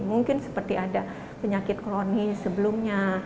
mungkin seperti ada penyakit kronis sebelumnya